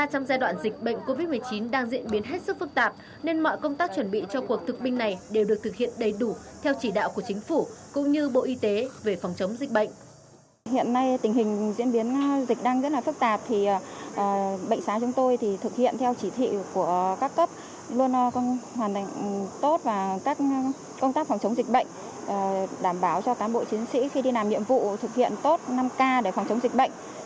trung đoàn cảnh sát cơ động thủ đô đã đảm bảo cho cán bộ chiến sĩ khi đi làm nhiệm vụ thực hiện tốt năm k để phòng chống dịch bệnh